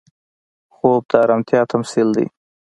خوب د ارامتیا تمثیل دی